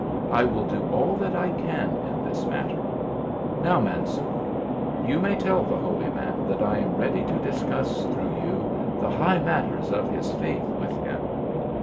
I will do all that I can in this matter. Now, Mansoor, you may tell the holy man that I am ready to discuss through you the high matters of his faith with him."